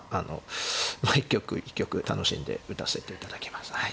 まあ一局一局楽しんで打たせて頂きます。